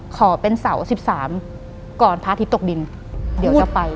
ขอเป็นเสา๑๓ก่อนพระอาทิตย์ตกดินเดี๋ยวจะไป